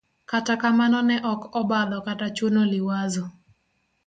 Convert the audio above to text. kata kamano ne ok obadho kata chuno Liwazo.